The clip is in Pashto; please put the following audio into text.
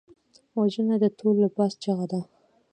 وژنه د تور لباس چیغه ده